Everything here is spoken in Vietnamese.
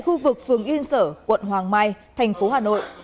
khu vực phường yên sở quận hoàng mai thành phố hà nội